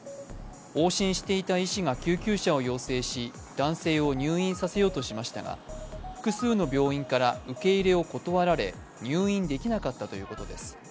往診していた医師が救急車を要請し男性を入院させようとしましたが、複数の病院から受け入れを断られ、入院できなかったということです。